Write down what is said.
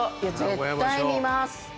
絶対見ます。